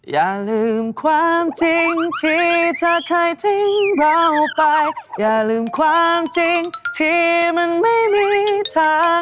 อย่าลืมความจริงที่เธอเคยทิ้งเราไปอย่าลืมความจริงที่มันไม่มีทาง